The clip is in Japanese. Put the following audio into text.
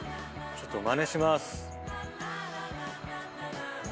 ちょっとまねします。